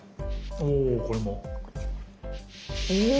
おこれも。え？